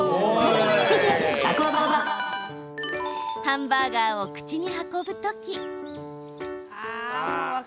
ハンバーガーを口に運ぶ時。